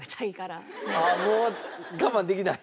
もう我慢できない？